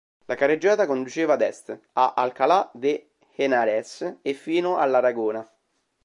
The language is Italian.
La carreggiata conduceva ad est, a Alcalá de Henares e fino all'Aragona.